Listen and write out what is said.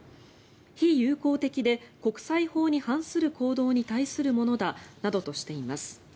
日友好的で国際法に反する行動に対するものだなどとしています。